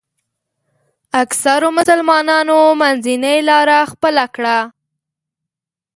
اکثرو مسلمانانو منځنۍ لاره خپله کړه.